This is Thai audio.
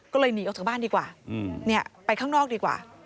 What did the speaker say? ก็เลยหนีออกจากบ้านดีกว่าไปข้างนอกดีกว่า